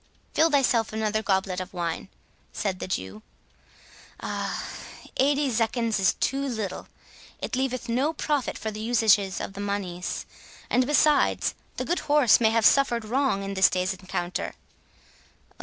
"Fill thyself another goblet of wine," said the Jew. "Ah! eighty zecchins is too little. It leaveth no profit for the usages of the moneys; and, besides, the good horse may have suffered wrong in this day's encounter.